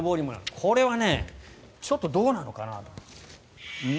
これはちょっとどうなのかなと。